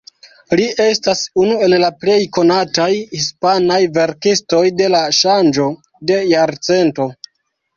Li estas unu el la plej konataj hispanaj verkistoj de la ŝanĝo de jarcento.